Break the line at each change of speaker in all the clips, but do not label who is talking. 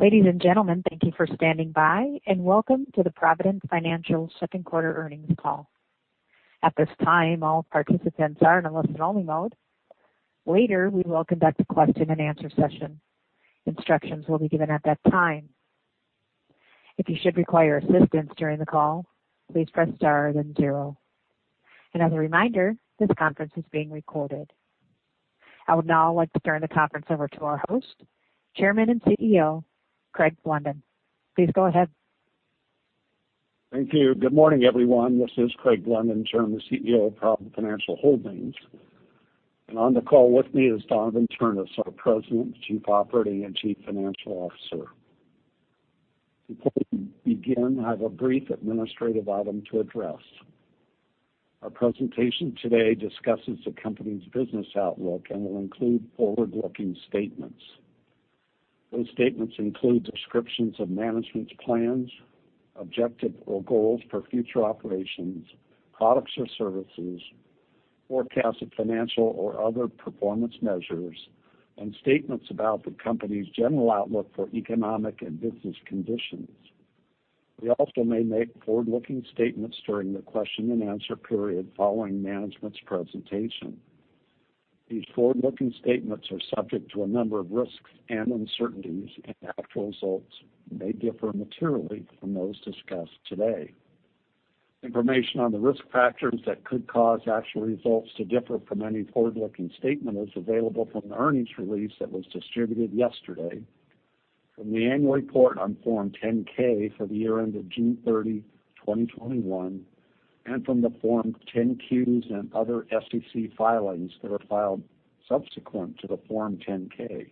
Ladies and gentlemen, thank you for standing by, and welcome to the Provident Financial Q2 earnings call. At this time, all participants are in a listen-only mode. Later, we will conduct a question-and-answer session. Instructions will be given at that time. If you should require assistance during the call, please press star then zero. As a reminder, this conference is being recorded. I would now like to turn the conference over to our host, Chairman and CEO, Craig Blunden. Please go ahead.
Thank you. Good morning, everyone. This is Craig Blunden, Chairman and CEO of Provident Financial Holdings. On the call with me is Donavon Ternes, our President, Chief Operating and Chief Financial Officer. Before we begin, I have a brief administrative item to address. Our presentation today discusses the company's business outlook and will include forward-looking statements. Those statements include descriptions of management's plans, objective or goals for future operations, products or services, forecasts of financial or other performance measures, and statements about the company's general outlook for economic and business conditions. We also may make forward-looking statements during the question-and-answer period following management's presentation. These forward-looking statements are subject to a number of risks and uncertainties, and actual results may differ materially from those discussed today. Information on the risk factors that could cause actual results to differ from any forward-looking statement is available from the earnings release that was distributed yesterday, from the annual report on Form 10-K for the year ended June 30th, 2021, and from the Form 10-Qs and other SEC filings that are filed subsequent to the Form 10-K.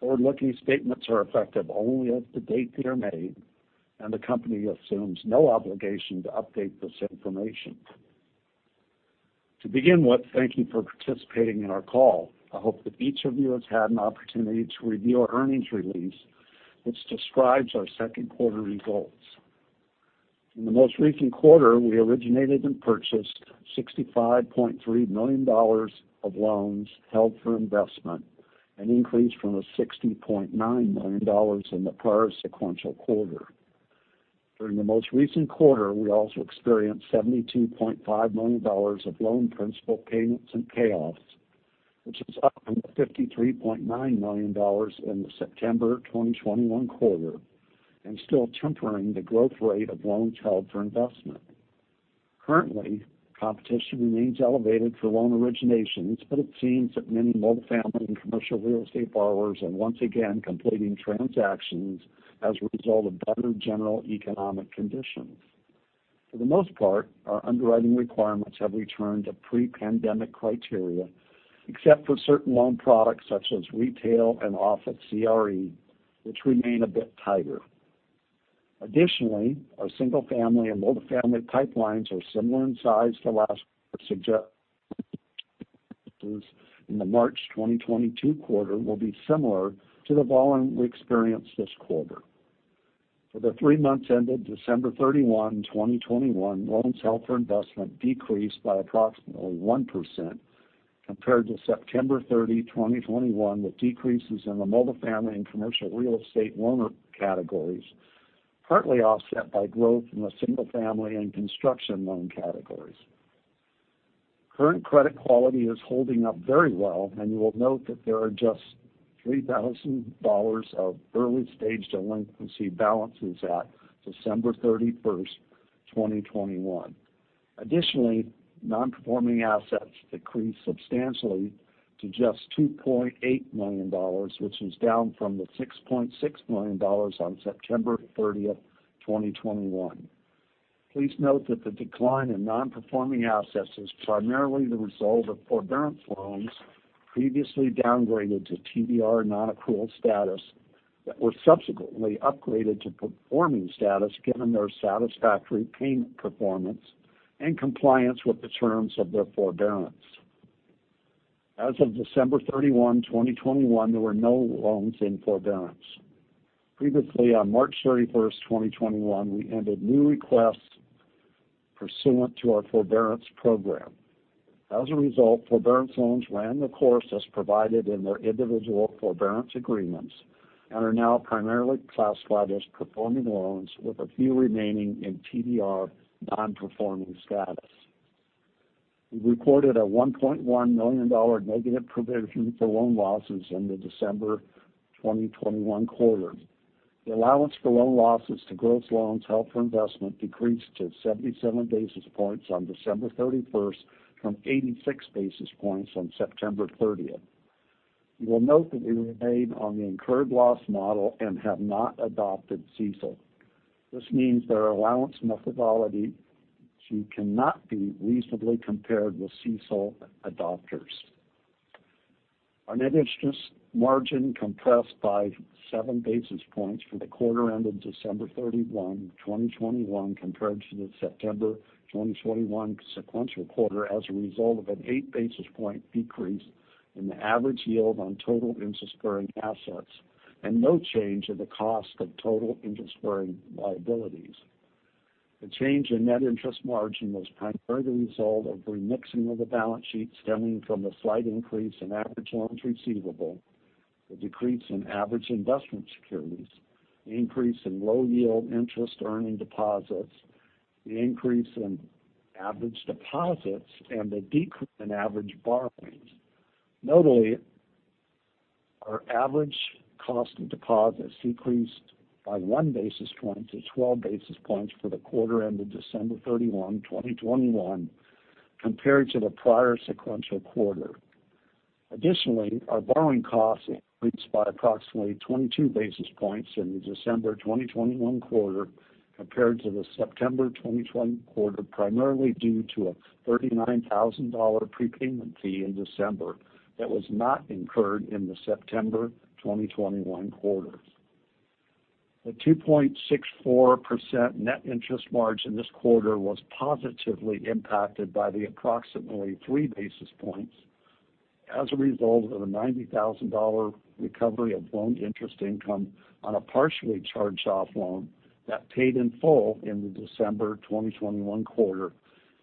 Forward-looking statements are effective only as of the date they are made, and the company assumes no obligation to update this information. To begin with, thank you for participating in our call. I hope that each of you has had an opportunity to review our earnings release, which describes our Q2 results. In the most recent quarter, we originated and purchased $65.3 million of loans held for investment, an increase from the $60.9 million in the prior sequential quarter. During the most recent quarter, we also experienced $72.5 million of loan principal payments and payoffs, which is up from $53.9 million in the September 2021 quarter and still tempering the growth rate of loans held for investment. Currently, competition remains elevated for loan originations, but it seems that many multifamily and commercial real estate borrowers are once again completing transactions as a result of better general economic conditions. For the most part, our underwriting requirements have returned to pre-pandemic criteria, except for certain loan products such as retail and office CRE, which remain a bit tighter. Additionally, our single family and multifamily pipelines are similar in size to those in the March 2022 quarter and will be similar to the volume we experienced this quarter. For the three months ended December 31st, 2021, loans held for investment decreased by approximately 1% compared to September 30th, 2021, with decreases in the multifamily and commercial real estate loan categories, partly offset by growth in the single family and construction loan categories. Current credit quality is holding up very well, and you will note that there are just $3,000 of early-stage delinquency balances at December 31st, 2021. Additionally, non-performing assets decreased substantially to just $2.8 million, which was down from the $6.6 million on September 30th, 2021. Please note that the decline in non-performing assets is primarily the result of forbearance loans previously downgraded to TDR nonaccrual status that were subsequently upgraded to performing status given their satisfactory payment performance and compliance with the terms of their forbearance. As of December 31st, 2021, there were no loans in forbearance. Previously, on March 31st, 2021, we ended new requests pursuant to our forbearance program. As a result, forbearance loans ran the course as provided in their individual forbearance agreements and are now primarily classified as performing loans with a few remaining in TDR non-performing status. We reported a $1.1 million negative provision for loan losses in the December 2021 quarter. The allowance for loan losses to gross loans held for investment decreased to 77 basis points on December 31st from 86 basis points on September 30th. You will note that we remain on the incurred loss model and have not adopted CECL. This means that our allowance methodology cannot be reasonably compared with CECL adopters. Our net interest margin compressed by 7 basis points for the quarter ended December 31st 2021, compared to the September 2021 sequential quarter as a result of an 8 basis point decrease in the average yield on total interest-bearing assets and no change in the cost of total interest-bearing liabilities. The change in net interest margin was primarily the result of remixing of the balance sheet stemming from a slight increase in average loans receivable, the decrease in average investment securities, increase in low yield interest earning deposits, the increase in average deposits, and the decrease in average borrowings. Notably, our average cost of deposits decreased by 1 basis point to 12 basis points for the quarter ended December 31st, 2021 compared to the prior sequential quarter. Additionally, our borrowing costs increased by approximately 22 basis points in the December 2021 quarter compared to the September 2021 quarter, primarily due to a $39,000 prepayment fee in December that was not incurred in the September 2021 quarter. The 2.64% net interest margin this quarter was positively impacted by the approximately 3 basis points as a result of a $90,000 recovery of loan interest income on a partially charged off loan that paid in full in the December 2021 quarter,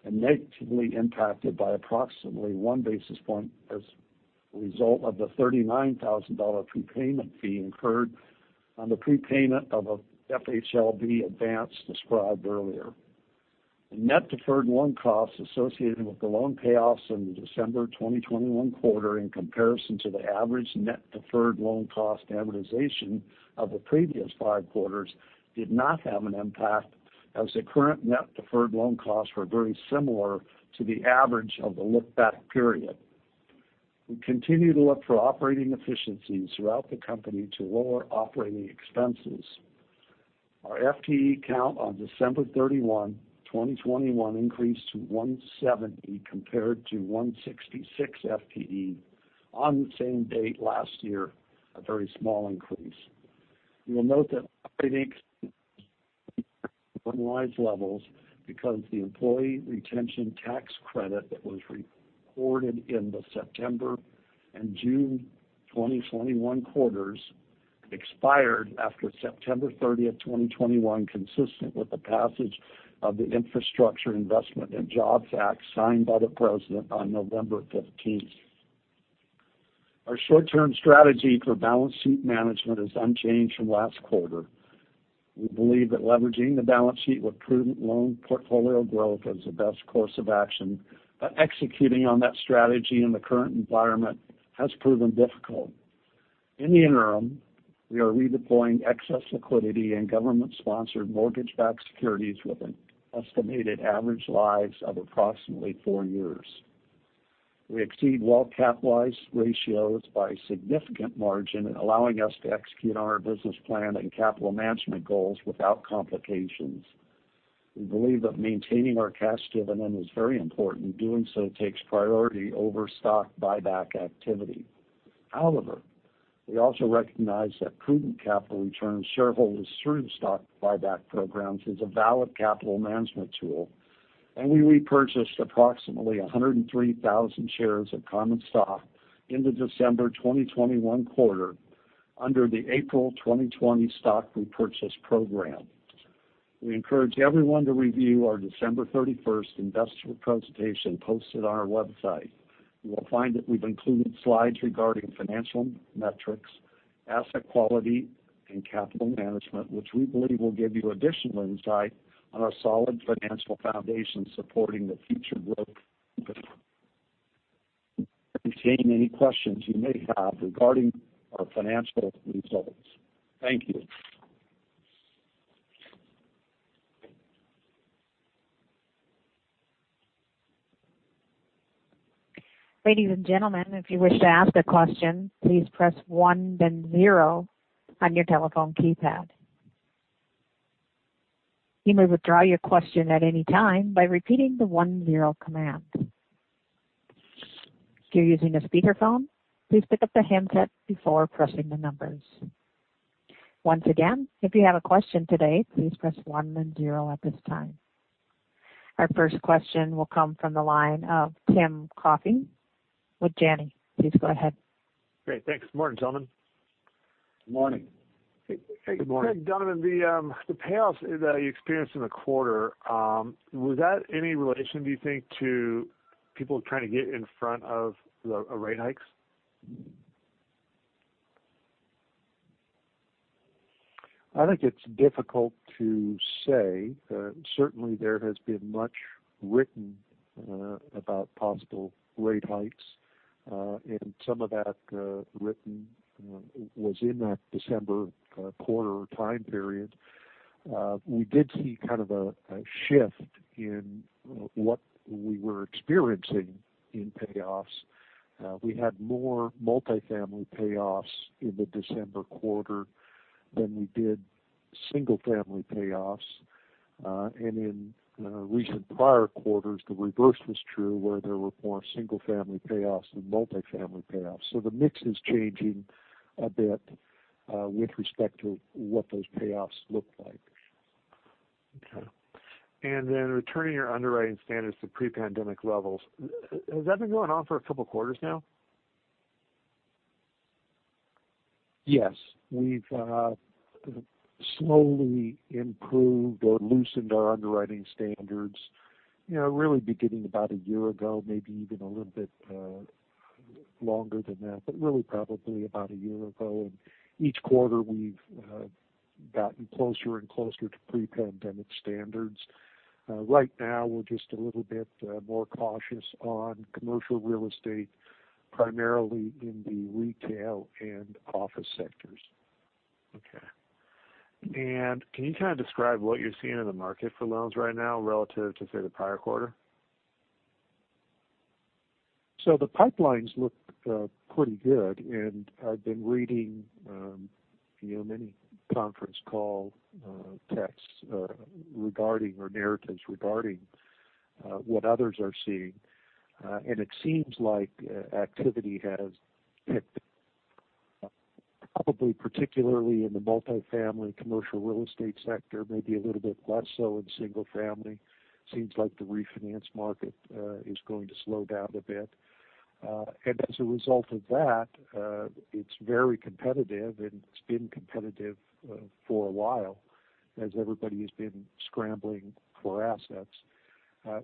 and negatively impacted by approximately 1 basis point as a result of the $39,000 prepayment fee incurred on the prepayment of FHLB advance described earlier. The net deferred loan costs associated with the loan payoffs in the December 2021 quarter in comparison to the average net deferred loan cost amortization of the previous five quarters did not have an impact, as the current net deferred loan costs were very similar to the average of the look-back period. We continue to look for operating efficiencies throughout the company to lower operating expenses. Our FTE count on December 31st, 2021 increased to 170 compared to 166 FTE on the same date last year, a very small increase. You will note that normalized levels because the employee retention tax credit that was reported in the September and June 2021 quarters expired after September 30th, 2021, consistent with the passage of the Infrastructure Investment and Jobs Act signed by the President on November 15th.
Our short-term strategy for balance sheet management is unchanged from last quarter. We believe that leveraging the balance sheet with prudent loan portfolio growth is the best course of action, but executing on that strategy in the current environment has proven difficult. In the interim, we are redeploying excess liquidity and government-sponsored mortgage-backed securities with an estimated average lives of approximately four years. We exceed well-capitalized ratios by a significant margin, allowing us to execute on our business plan and capital management goals without complications. We believe that maintaining our cash dividend is very important. Doing so takes priority over stock buyback activity. However, we also recognize that prudent capital returns to shareholders through stock buyback programs is a valid capital management tool, and we repurchased approximately 103,000 shares of common stock in the December 2021 quarter under the April 2020 stock repurchase program. We encourage everyone to review our December 31st investor presentation posted on our website. You will find that we've included slides regarding financial metrics, asset quality, and capital management, which we believe will give you additional insight on our solid financial foundation supporting the future growth. We will entertain any questions you may have regarding our financial results. Thank you.
Ladies and gentlemen, if you wish to ask a question, please press one then zero on your telephone keypad. You may withdraw your question at any time by repeating the one, zero command. If you're using a speakerphone, please pick up the handset before pressing the numbers. Once again, if you have a question today, please press one then zero at this time. Our first question will come from the line of Tim Coffey with Janney. Please go ahead.
Great. Thanks. Good morning, gentlemen.
Good morning.
Good morning.
Craig, Donavon, the payoffs that you experienced in the quarter, was that any relation, do you think, to people trying to get in front of the rate hikes?
I think it's difficult to say. Certainly, there has been much written about possible rate hikes, and some of that written, you know, was in that December quarter time period. We did see kind of a shift in what we were experiencing in payoffs. We had more multifamily payoffs in the December quarter than we did single-family payoffs. In recent prior quarters, the reverse was true, where there were more single-family payoffs than multifamily payoffs. The mix is changing a bit with respect to what those payoffs look like.
Okay. Returning your underwriting standards to pre-pandemic levels, has that been going on for a couple quarters now?
Yes. We've slowly improved or loosened our underwriting standards, you know, really beginning about a year ago, maybe even a little bit longer than that, but really probably about a year ago. Each quarter, we've gotten closer and closer to pre-pandemic standards. Right now, we're just a little bit more cautious on commercial real estate, primarily in the retail and office sectors.
Okay. Can you kind of describe what you're seeing in the market for loans right now relative to, say, the prior quarter?
The pipelines look pretty good. I've been reading, you know, many conference call texts or narratives regarding what others are seeing. It seems like activity has picked up probably particularly in the multifamily commercial real estate sector, maybe a little bit less so in single family. Seems like the refinance market is going to slow down a bit. As a result of that, it's very competitive, and it's been competitive for a while as everybody has been scrambling for assets.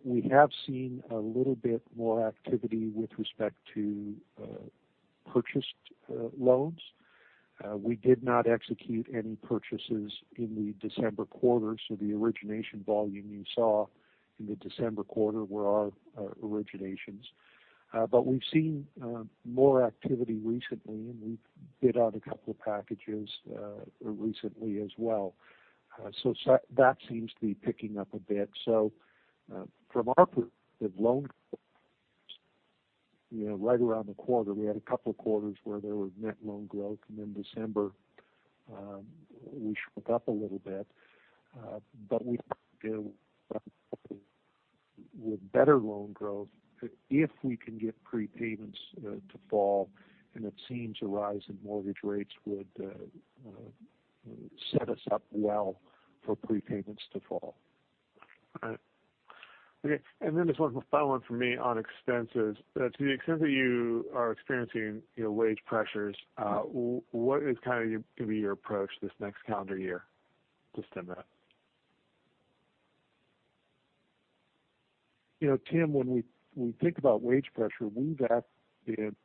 We have seen a little bit more activity with respect to purchased loans. We did not execute any purchases in the December quarter, so the origination volume you saw in the December quarter were our originations. We've seen more activity recently, and we've bid out a couple of packages recently as well. That seems to be picking up a bit. From our perspective, loans, you know, right around the quarter. We had a couple of quarters where there was net loan growth, and in December, we shrank a little bit. We'll have better loan growth if we can get prepayments to fall, and it seems a rise in mortgage rates would set us up well for prepayments to fall.
All right. Okay. Just one final one from me on expenses. To the extent that you are experiencing, you know, wage pressures, what is kind of gonna be your approach this next calendar year to stem that?
You know, Tim, when we think about wage pressure, we've actually had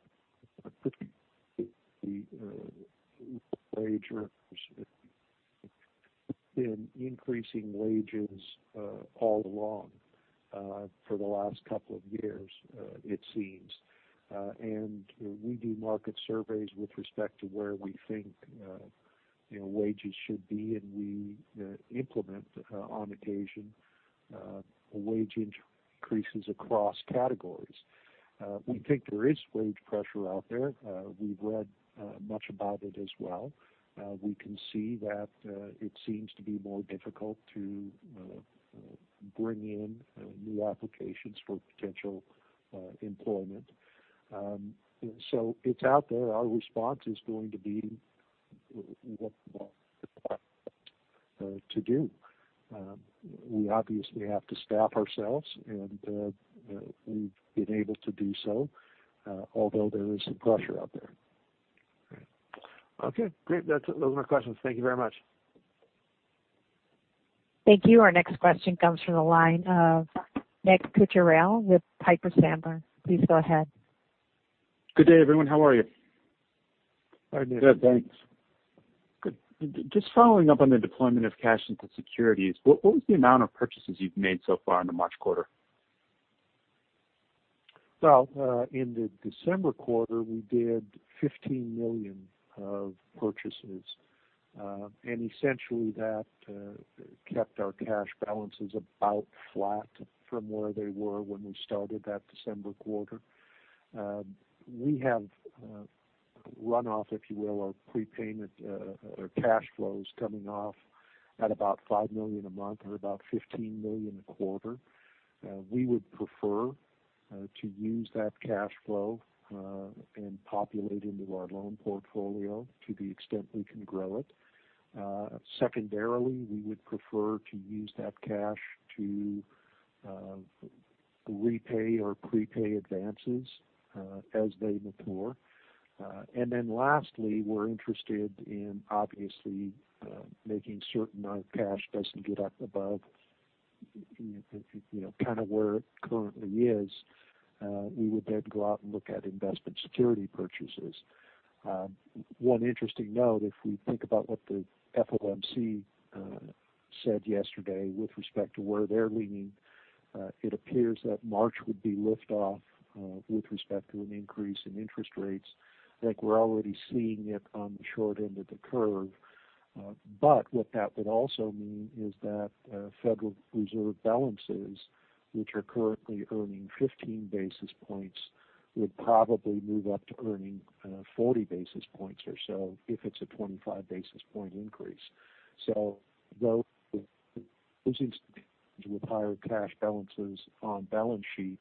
been increasing wages all along for the last couple of years, it seems. We do market surveys with respect to where we think, you know, wages should be, and we implement on occasion wage increases across categories. We think there is wage pressure out there. We've read much about it as well. We can see that it seems to be more difficult to bring in new applications for potential employment. It's out there. Our response is going to be to do. We obviously have to staff ourselves, and we've been able to do so although there is some pressure out there.
All right. Okay, great. That's it. Those are my questions. Thank you very much.
Thank you. Our next question comes from the line of Nick Cucharale with Piper Sandler. Please go ahead.
Good day, everyone. How are you?
Hi, Nick.
Good, thanks.
Good. Just following up on the deployment of cash into securities, what was the amount of purchases you've made so far in the March quarter?
In the December quarter, we did $15 million of purchases. Essentially that kept our cash balances about flat from where they were when we started that December quarter. We have runoff, if you will, or prepayment or cash flows coming off at about $5 million a month or about $15 million a quarter. We would prefer to use that cash flow and populate into our loan portfolio to the extent we can grow it. Secondarily, we would prefer to use that cash to repay or prepay advances as they mature. Then lastly, we're interested in obviously making certain our cash doesn't get up above, you know, kind of where it currently is. We would then go out and look at investment security purchases. One interesting note, if we think about what the FOMC said yesterday with respect to where they're leaning, it appears that March would be lift off with respect to an increase in interest rates. I think we're already seeing it on the short end of the curve. But what that would also mean is that Federal Reserve balances, which are currently earning 15 basis points, would probably move up to earning 40 basis points or so if it's a 25 basis point increase. Those institutions with higher cash balances on balance sheet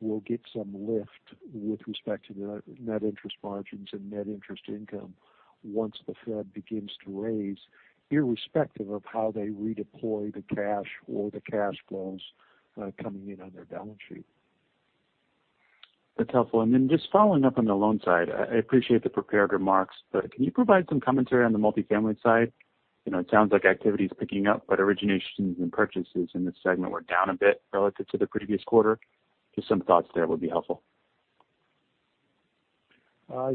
will get some lift with respect to the net interest margins and net interest income once the Fed begins to raise, irrespective of how they redeploy the cash or the cash flows coming in on their balance sheet.
That's helpful. Just following up on the loan side. I appreciate the prepared remarks, but can you provide some commentary on the multifamily side? You know, it sounds like activity is picking up, but originations and purchases in this segment were down a bit relative to the previous quarter. Just some thoughts there would be helpful.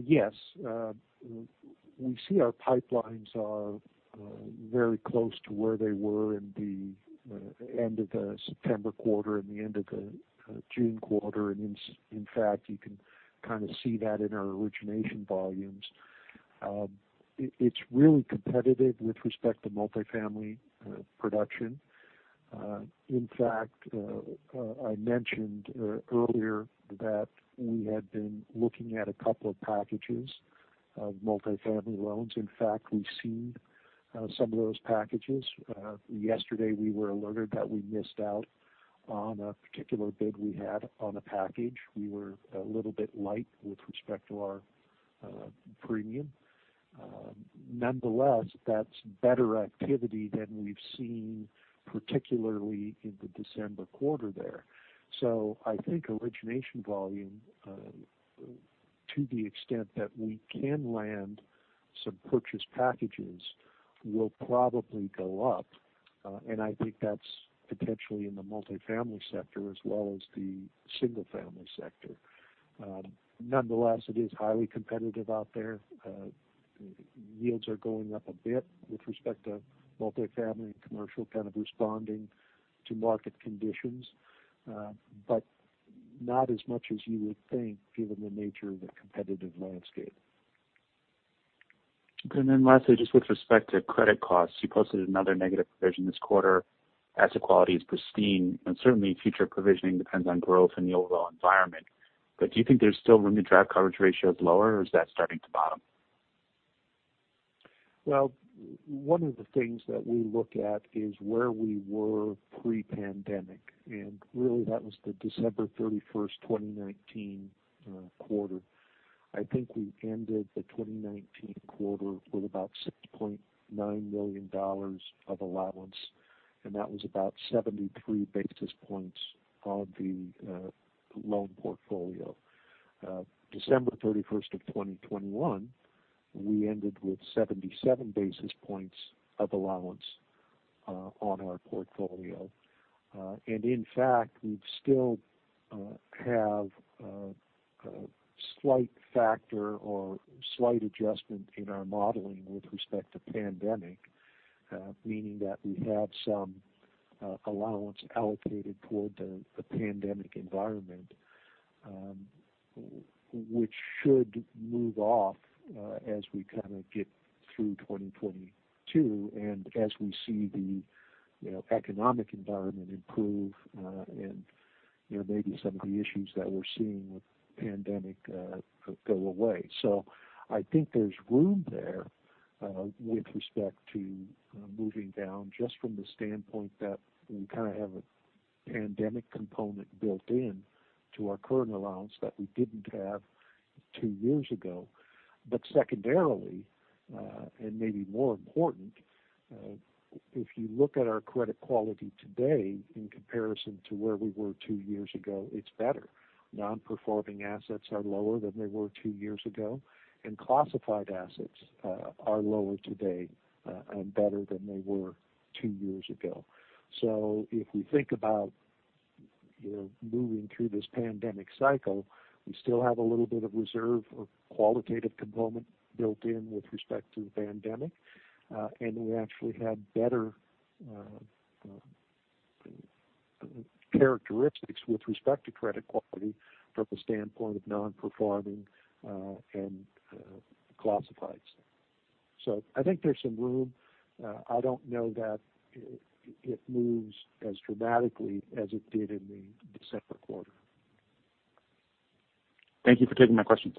Yes. We see our pipelines are very close to where they were in the end of the September quarter and the end of the June quarter. In fact, you can kind of see that in our origination volumes. It's really competitive with respect to multifamily production. In fact, I mentioned earlier that we had been looking at a couple of packages of multifamily loans. In fact, we've seen some of those packages. Yesterday, we were alerted that we missed out on a particular bid we had on a package. We were a little bit light with respect to our premium. Nonetheless, that's better activity than we've seen, particularly in the December quarter there. I think origination volume, to the extent that we can land some purchase packages, will probably go up. I think that's potentially in the multifamily sector as well as the single family sector. Nonetheless, it is highly competitive out there. Yields are going up a bit with respect to multifamily and commercial kind of responding to market conditions but not as much as you would think given the nature of the competitive landscape.
Okay. Lastly, just with respect to credit costs. You posted another negative provision this quarter. Asset quality is pristine, and certainly future provisioning depends on growth in the overall environment. Do you think there's still room to drive coverage ratios lower, or is that starting to bottom?
Well, one of the things that we look at is where we were pre-pandemic, and really that was the December 31st, 2019 quarter. I think we ended the 2019 quarter with about $6.9 million of allowance, and that was about 73 basis points of the loan portfolio. December 31st, 2021, we ended with 77 basis points of allowance on our portfolio. In fact, we still have a slight factor or slight adjustment in our modeling with respect to pandemic meaning that we have some allowance allocated toward the pandemic environment, which should move off as we kind of get through 2022, and as we see the, you know, economic environment improve, and you know, maybe some of the issues that we're seeing with pandemic go away. I think there's room there, with respect to, moving down just from the standpoint that we kind of have a pandemic component built in to our current allowance that we didn't have two years ago. Secondarily, and maybe more important, if you look at our credit quality today in comparison to where we were two years ago, it's better. Non-performing assets are lower than they were two years ago, and classified assets are lower today, and better than they were two years ago. If we think about, you know, moving through this pandemic cycle, we still have a little bit of reserve or qualitative component built in with respect to the pandemic and we actually have better characteristics with respect to credit quality from the standpoint of non-performing and classifieds. I think there's some room. I don't know that it moves as dramatically as it did in the December quarter.
Thank you for taking my questions.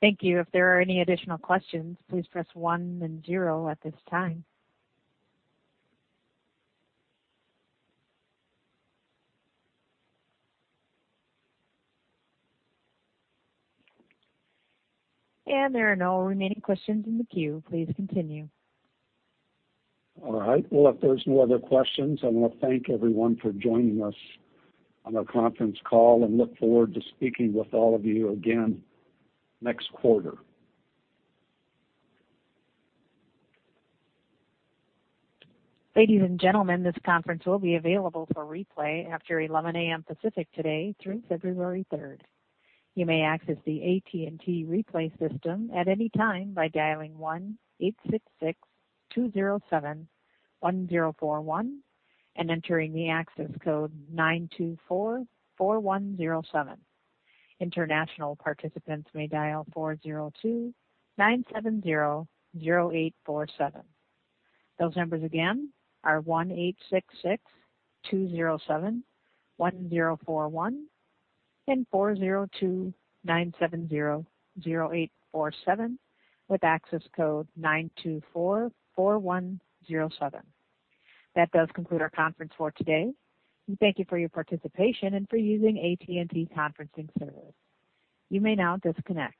Thank you. If there are any additional questions, please press one and zero at this time. And there are no remaining questions in the queue. Please continue.
All right. Well, if there's no other questions, I wanna thank everyone for joining us on our conference call, and look forward to speaking with all of you again next quarter.
Ladies and gentlemen, this conference will be available for replay after 11:00 A.M. Pacific today through February third. You may access the AT&T Replay system at any time by dialing 1-866-207-1041 and entering the access code 9244107. International participants may dial 402-970-0847. Those numbers again are 1-866-207-1041 and 402-970-0847 with access code 9244107. That does conclude our conference for today. We thank you for your participation and for using AT&T conferencing service. You may now disconnect.